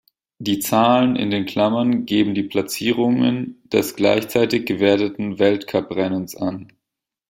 Die Zahlen in den Klammern geben die Platzierungen des gleichzeitig gewerteten Weltcuprennens an.